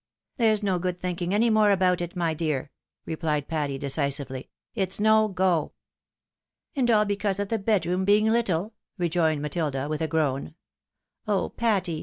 " There's no good thinking any more about it, my dear," repUed Patty, decisively. " It's no go." " And all because of the bedroom being Uttle t " rejoined Matilda, with a groan. " Oh ! Patty